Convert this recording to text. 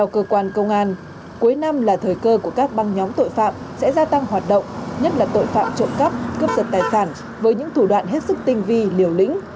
cơ quan công an là tội phạm trộm cắp cướp giật tài sản với những thủ đoạn hết sức tinh vi liều lĩnh